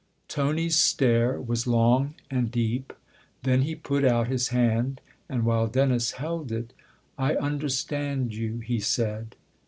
Tony's stare was long and deep ; then he put out his hand, and while Dennis held it, " I understand you," he said.